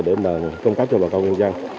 để cung cấp cho bà con nhân dân